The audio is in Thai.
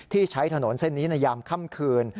ที่ใช้ถนนเส้นนี้ในยามค่ำคืน